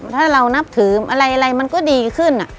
ถ้าเรานับถืออะไรมันก็ดีขึ้น